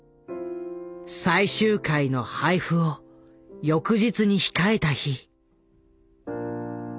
最終回の配布を翌日に控えた日。